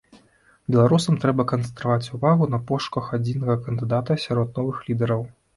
Беларусам трэба канцэнтраваць увагу на пошуках адзінага кандыдата сярод новых лідараў.